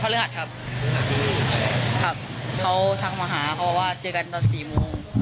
พอเลือดครับเขาทักมาหาเขาบอกว่าเจอกันตอน๔โมง